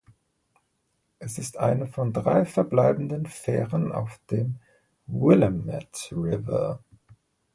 Es ist eine von drei verbleibenden Fähren auf dem Willamette River.